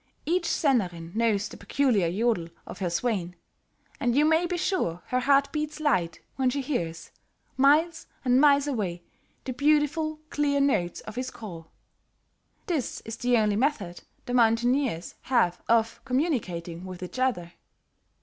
Each sennerin knows the peculiar yodel of her swain; and you may be sure her heart beats light when she hears, miles and miles away, the beautiful, clear notes of his call. This is the only method the mountaineers have of communicating with each other.